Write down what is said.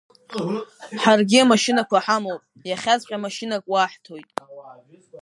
Ҳаргьы амашьынақәа ҳамоуп, иахьаҵәҟьа машьынак уаҳҭоит.